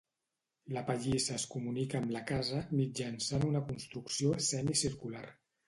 La pallissa es comunica amb la casa mitjançant una construcció semicircular.